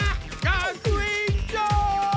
学園長！